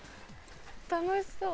楽しそう。